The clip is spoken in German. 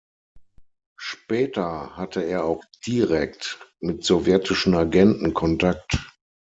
Später hatte er auch direkt mit sowjetischen Agenten Kontakt.